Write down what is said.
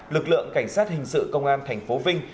lực lượng cảnh sát hình sự công an tp vinh